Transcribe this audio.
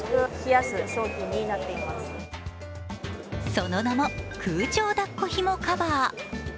その名も空調だっこひもカバー。